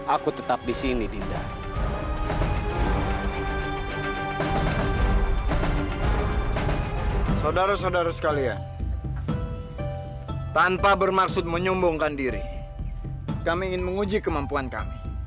aku akan melumbungmu kakanda